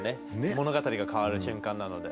物語が変わる瞬間なので。